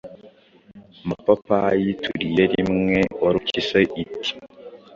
mapapayi, turire rimwe. Warupyisi iti: “